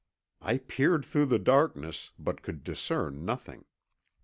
I peered through the darkness but could discern nothing.